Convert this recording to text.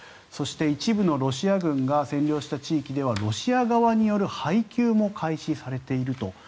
そして一部のロシア軍が占領した地域ではロシア側による配給も開始されていると。